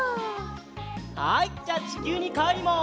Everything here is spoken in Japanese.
はいじゃちきゅうにかえります。